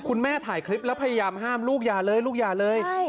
คุณแม่ถ่ายคลิปแล้วพยายามห้ามลูกอย่าเลยลูกอย่าเลย